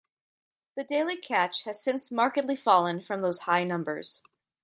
The daily catch has since markedly fallen from those high numbers.